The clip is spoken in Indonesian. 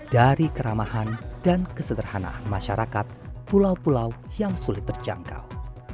dari keramahan dan kesederhanaan masyarakat pulau pulau yang sulit terjangkau